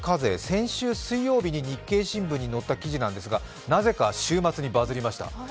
先週水曜日に日経新聞に載った記事なんですがなぜか週末にバズりました。